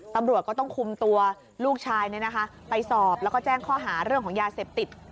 ตำรวจก็ต้องคุมตัวลูกชายไปสอบแล้วก็แจ้งข้อหาเรื่องของยาเสพติด